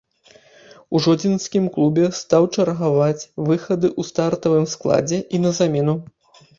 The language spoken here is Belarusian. У жодзінскім клубе стаў чаргаваць выхады ў стартавым складзе і на замену.